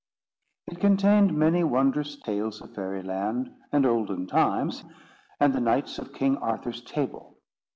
It contained many wondrous tales of Fairy Land, and olden times, and the Knights of King Arthur's table.